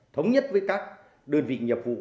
thống nhất với các đơn vị nhiệm vụ